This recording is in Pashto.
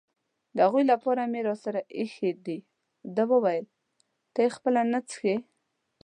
د هغوی لپاره مې راسره اېښي دي، دې وویل: ته یې خپله نه څښې؟